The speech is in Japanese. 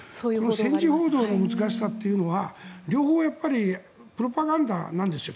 戦時報道の難しさというのは両方プロパガンダなんですよ